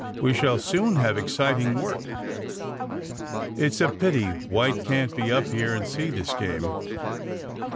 We shall soon have exciting work." It's a pity W^hite can't be up here and see this game."